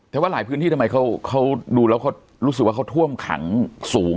แต่ว่าหลายพื้นที่ทำไมเขาดูแล้วเขารู้สึกว่าเขาท่วมขังสูง